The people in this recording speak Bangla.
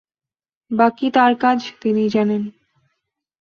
বাকী তাঁর কাজ, তিনিই জানেন।